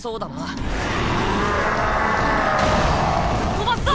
飛ばすぞ！